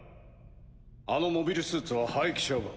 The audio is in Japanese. あのモビルスーツは廃棄処分。